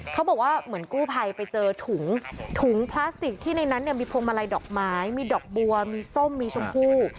เขาบอกว่าเหมือนกู้ภัยไปเจอถุงถุงพลาสติกที่ในนั้นเนี่ยมีพวงมาลัยดอกไม้มีดอกบัวมีส้มมีชมพู่